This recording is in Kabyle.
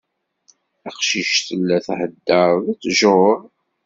Taqcict tella thedder d ttjur.